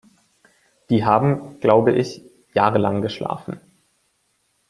Die haben, glaub ich, jahrelang geschlafen.